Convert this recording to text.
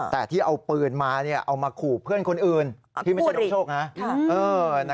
แต่ที่เอาปืนมาเอามาขู่เพื่อนคนอื่นที่ไม่ใช่น้องโชคนะ